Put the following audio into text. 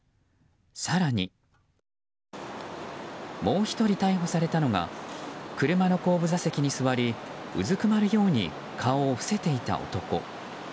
更に、もう１人逮捕されたのが車の後部座席に座りうずくまるように顔を伏せていた男。